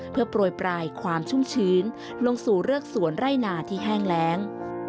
เพื่อโปรยปลายความชุ่มชื้นลงสู่เรือกสวนไร่นาที่แห้งแรง